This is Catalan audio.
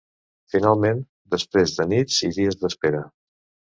Finalment, després de nits i dies d’espera.